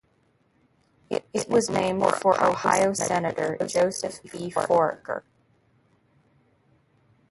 It was named for Ohio Senator Joseph B. Foraker.